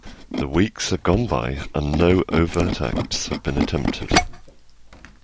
The weeks had gone by, and no overt acts had been attempted.